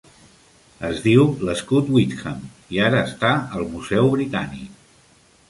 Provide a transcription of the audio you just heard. Es diu l'Escut Witham i ara està al Museu Britànic.